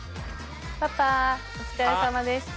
パパお疲れさまでした。